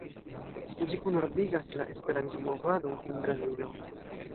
Ĝi kunordigas la Esperanto-movadon en Brazilo.